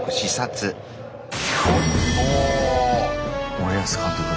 森保監督。